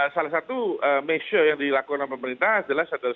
salah satu measure yang dilakukan oleh pemerintah adalah stimulus